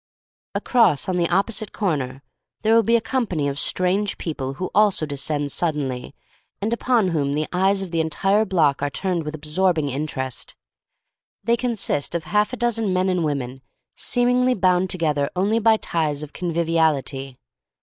Across on the opposite corner there will be a com pany of strange people who also de scended suddenly, and upon whom the r Il8 THE STORY OF MARY MAC LANE eyes of the entire block are turned with absorbing interest. They consist of half a dozen men and women seemingly bound together only by ties of con viviality.